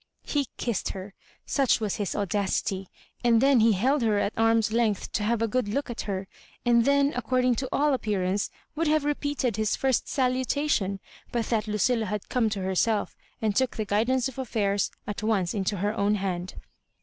He kissed her— such was his audacity ; and then he held her at arm's length to have a good look at her; and then, according to all appearance, would have repeated his first salutation; but that Lucilla had. come to herself and took the guidance of affairs at once into her own hand.